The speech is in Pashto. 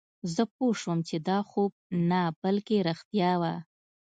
زه پوه شوم چې دا خوب نه بلکې رښتیا وه